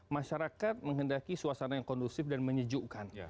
masyarakat menghendaki suasana yang kondusif dan menyejukkan